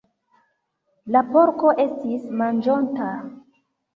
La porko estis manĝonta.